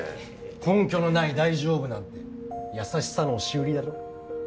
根拠のない「大丈夫」なんて優しさの押し売りだろ？